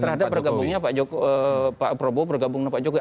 terhadap bergabungnya pak prabowo bergabung dengan pak jokowi